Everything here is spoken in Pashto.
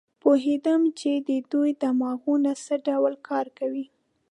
پوهېدم چې د دوی دماغونه څه ډول کار کوي.